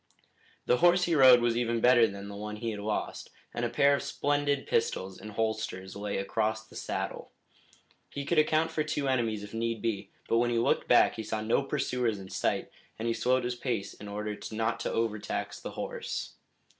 The horse he rode was even better than the one he had lost, and a pair of splendid pistols in holsters lay across the saddle. He could account for two enemies if need be, but when he looked back he saw no pursuers in sight, and he slowed his pace in order not to overtax the horse.